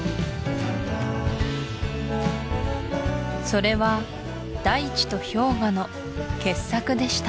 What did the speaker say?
それは大地と氷河の傑作でした